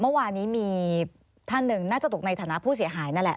เมื่อวานนี้มีท่านหนึ่งน่าจะตกในฐานะผู้เสียหายนั่นแหละ